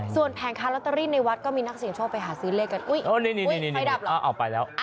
ส่วนแผงค้าลอตเตอรี่ในวัดก็มีนักเสียงโชคไปหาซื้อเลขกันอุ๊ยไฟดับเหรอเอาไปแล้ว